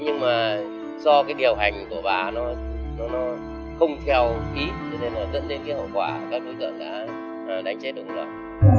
nhưng do điều hành của bà không theo ý dẫn đến hậu quả các đối tượng đã đánh chết đồng lượng